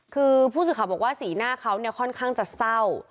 คือผู้สื่อข่าวบอกว่าสีหน้าเขาเนี่ยค่อนข้างจะเศร้า